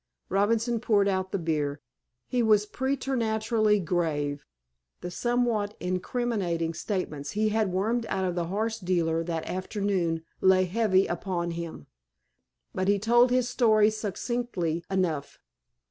Robinson poured out the beer. He was preternaturally grave. The somewhat incriminating statements he had wormed out of the horse dealer that afternoon lay heavy upon him. But he told his story succinctly enough.